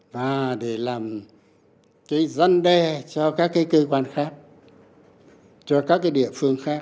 và để làm cái răn đe cho các cơ quan khác cho các địa phương khác